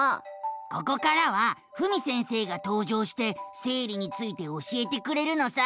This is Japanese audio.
ここからはふみ先生がとう場して生理について教えてくれるのさ。